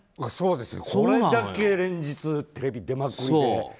そうですよ、これだけ連日テレビ出まくりで。